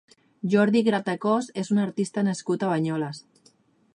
Jordi Gratacós és un artista nascut a Banyoles.